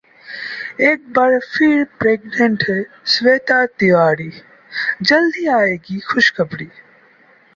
एक बार फिर प्रेग्नेंट हैं श्वेता तिवारी, जल्द ही आएगी खुशखबरी